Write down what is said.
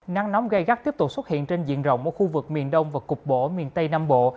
nắng nóng gây gắt tiếp tục xuất hiện trên diện rộng ở khu vực miền đông và cục bộ miền tây nam bộ